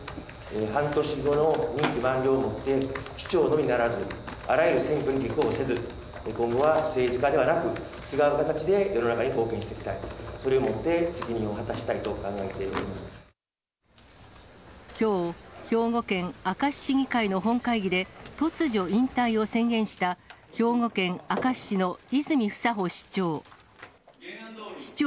半年後の任期満了をもって、市長のみならず、あらゆる選挙に立候補せず、今後は政治家ではなく、違う形で世の中に貢献していきたい、それをもって責任を果たしたきょう、兵庫県明石市議会の本会議で、突如、引退を表明した兵庫県明石市の泉房穂市長。